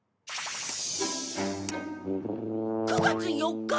９月４日！？